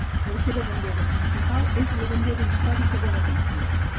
La seva bandera principal és la bandera històrica de Venècia.